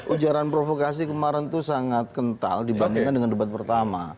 ujaran provokasi kemarin itu sangat kental dibandingkan dengan debat pertama